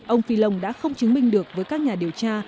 ông fillon đã không chứng minh được với các nhà điều tra